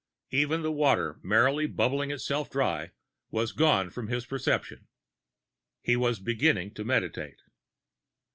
Even the water, merrily bubbling itself dry, was gone from his perception. He was beginning to meditate.